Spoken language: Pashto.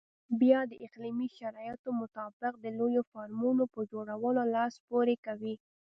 بیا د اقلیمي شرایطو مطابق د لویو فارمونو په جوړولو لاس پورې کوي.